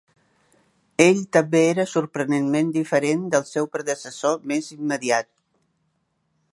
Ell també era sorprenentment diferent del seu predecessor més immediat.